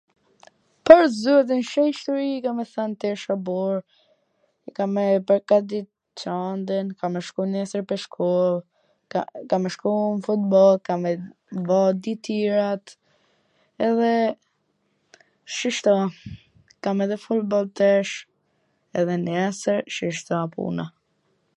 pwr zotin qesh tu ik a me than t isha bo..., kam me pregatit Candwn, kam me shku neswr pwr shkoll, kam me shku n futboll, kam me bo ditirat, edhe shishto, kam edhe futboll tesh, edhe neswr shishto a puna